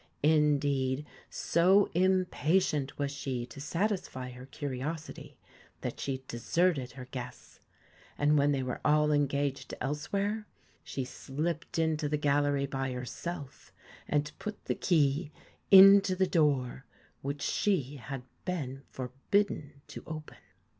Indeed, so im patient was she to satisfy her curiosity, that she deserted her guests, and when they were all engaged elsewhere, she slipped into the gallery by herself and put the key into the door which she had been forbidden to open.